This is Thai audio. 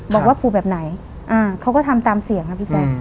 บอกว่าผูกแบบไหนเขาก็ทำตามเสียงครับพี่แจ๊ค